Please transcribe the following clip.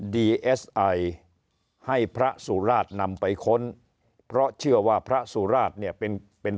ดีเอสไอให้พระสุราชนำไปค้นเพราะเชื่อว่าพระสุราชเนี่ยเป็นเป็น